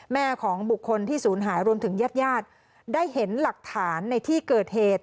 แม่ของบุคคลที่ศูนย์หายรวมถึงญาติญาติได้เห็นหลักฐานในที่เกิดเหตุ